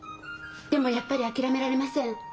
でもやっぱり諦められません。